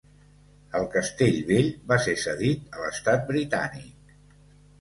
El castell vell va ser cedit a l'estat britànic.